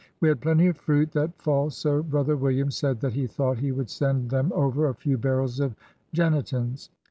We had plenty of fruit that fall, so brother William said that he thought he would send them over a few barrels of Genitins.